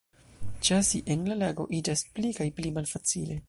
Ĉasi en la lago iĝas pli kaj pli malfacile.